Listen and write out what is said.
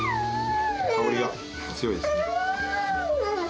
香りが強いですね。